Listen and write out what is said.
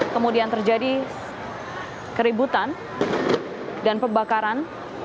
kemudian terjadi keributan dan pembakaran